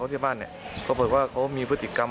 ก็เลยตามไปที่บ้านไม่พบตัวแล้วค่ะ